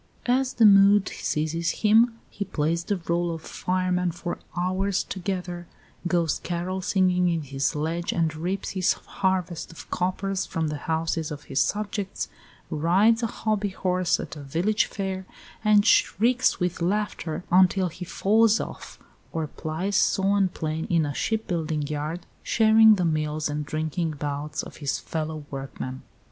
As the mood seizes him he plays the rôle of fireman for hours together; goes carol singing in his sledge, and reaps his harvest of coppers from the houses of his subjects; rides a hobby horse at a village fair, and shrieks with laughter until he falls off; or plies saw and plane in a shipbuilding yard, sharing the meals and drinking bouts of his fellow workmen.